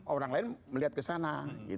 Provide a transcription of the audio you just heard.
orang lain melihat ke sana